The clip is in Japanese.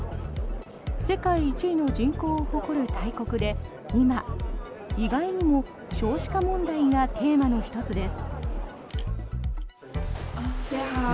世界１位の人口を誇る大国で今、意外にも少子化問題がテーマの１つです。